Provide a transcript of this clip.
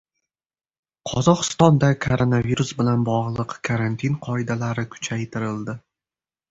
Qozog‘istonda koronavirus bilan bog‘liq karantin qoidalari kuchaytirildi